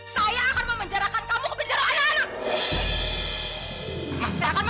saya akan memperolehmu